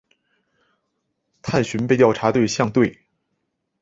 探寻被调查对象对。